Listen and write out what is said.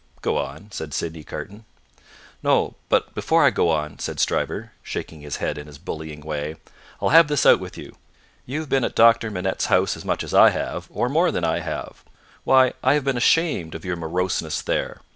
"Go on," said Sydney Carton. "No; but before I go on," said Stryver, shaking his head in his bullying way, "I'll have this out with you. You've been at Doctor Manette's house as much as I have, or more than I have. Why, I have been ashamed of your moroseness there!